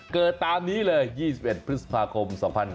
เกิดตามนี้เลย๒๑พฤษภาคม๒๕๐๗